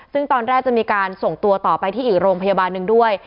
ซึ่งตอนแรกจะมีการส่งตัวต่อไปที่อีกโรงพยาบาลหนึ่งด้วย